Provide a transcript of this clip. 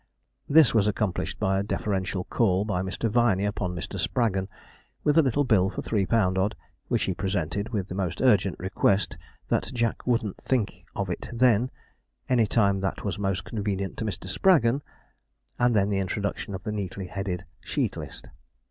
This was accomplished by a deferential call by Mr. Viney upon Mr. Spraggon, with a little bill for three pound odd, which he presented, with the most urgent request that Jack wouldn't think of it then any time that was most convenient to Mr. Spraggon and then the introduction of the neatly headed sheet list.